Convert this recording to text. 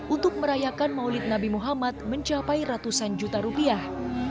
untuk merayakan maulid nabi muhammad mencapai ratusan juta rupiah